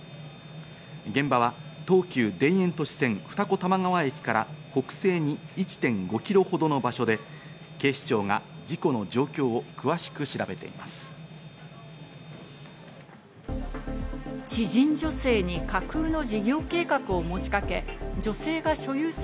現場は東急田園都市線・二子玉川駅から北西におよそ１．５ｋｍほどの場所で、警視庁が事故の原因を詳しく調べています。